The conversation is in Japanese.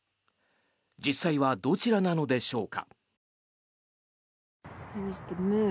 実際はどちらなのでしょうか。